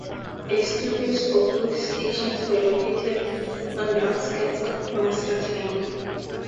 The studios for both stations were located on the outskirts of Muscatine.